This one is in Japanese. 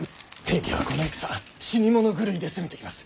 平家はこの戦死に物狂いで攻めてきます。